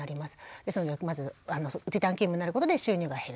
ですのでまず時短勤務になることで収入が減る。